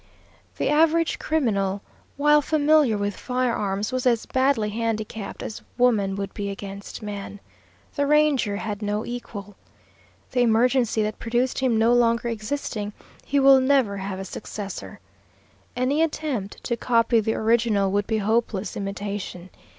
The average criminal, while familiar with firearms, was as badly handicapped as woman would be against man. The Ranger had no equal. The emergency that produced him no longer existing, he will never have a successor. Any attempt to copy the original would be hopeless imitation.